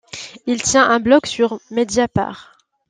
Il tient un blog sur Mediapart.